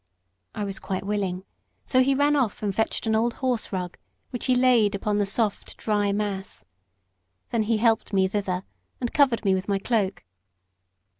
I was quite willing; so he ran off and fetched an old horserug, which he laid upon the soft, dry mass. Then he helped me thither, and covered me with my cloak.